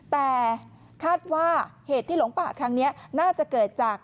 แต่คาดว่าเหตุที่หลงป่าครั้งนี้น่าจะเกิดจาก